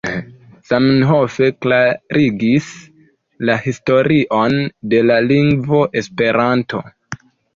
Zamenhof klarigis la historion de la lingvo Esperanto.